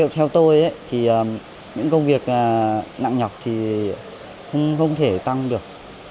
theo tôi thì những công việc nặng nhọc thì không thể tăng được